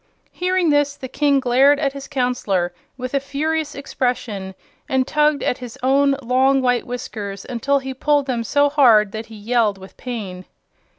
Hearing this, the King glared at his Counselor with a furious expression and tugged at his own long white whiskers until he pulled them so hard that he yelled with pain.